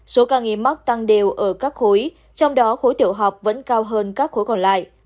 số ca nghi mắc tăng đều ở các khối trong đó khối tiểu học vẫn cao hơn các khối còn lại